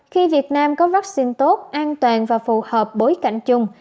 khi việt nam có vaccine tốt an toàn và phù hợp bối cảnh chung